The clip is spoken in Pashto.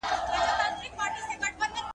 د رسول الله حدیث زموږ لپاره لارښود دی.